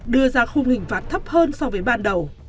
đưa ra khung hình phạt thấp hơn so với ban đầu